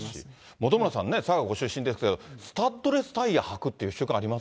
本村さんね、佐賀ご出身ですけれども、スタッドレスタイヤはくっていう習慣あります？